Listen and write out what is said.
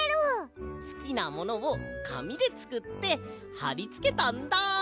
すきなものをかみでつくってはりつけたんだ！